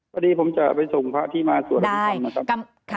พอดีผมจะไปส่งพระพี่มาสวรรคมนะครับ